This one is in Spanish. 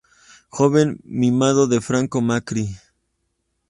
Joven mimado de Franco Macri.